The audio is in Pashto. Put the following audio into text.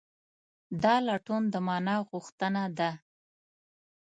دا لټون د مانا غوښتنه ده.